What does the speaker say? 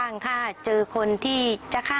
นี่ค่ะ